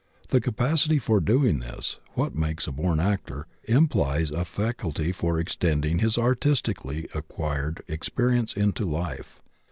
The capacity for doing this what makes a born actor implies a faculty for extending his artistically acquired experience into life.